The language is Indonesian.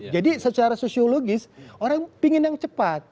jadi secara sosiologis orang pingin yang cepat